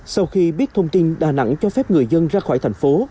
sau khi biết thông tin đà nẵng cho phép người dân ra khỏi thành phố